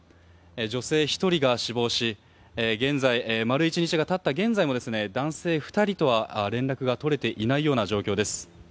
女性１人が死亡し丸１日がたった現在も男性２人とは連絡が取れていないような状況です。